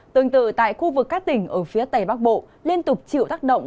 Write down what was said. tương tự tại khu vực các tỉnh ở phía tây bắc bộ liên tục chịu tác động